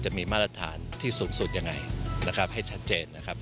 จะมีมาตรฐานที่สุดอย่างไรให้ชัดเจน